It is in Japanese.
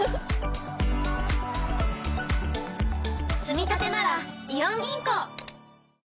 つみたてならイオン銀行！